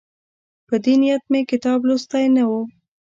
په دې نیت مې کتاب لوستی نه وو.